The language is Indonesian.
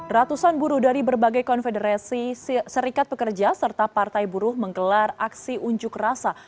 ratusan buruh dari berbagai konfederasi serikat pekerja serta partai buruh menggelar aksi unjuk rasa